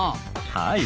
はい。